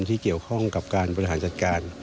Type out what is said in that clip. ที่เกี่ยวข้องกับการบริหารจัดการ